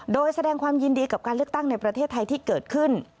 โดยแสดงความยินดีกับการเลือกตั้งในประเทศไทยที่เกิดขึ้น